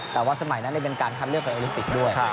แต่ว่าสมัยนั้นเป็นการคัดเลือกไปโอลิมปิกด้วย